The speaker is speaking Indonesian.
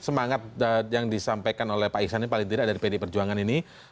semangat yang disampaikan oleh pak iksan ini paling tidak dari pdi perjuangan ini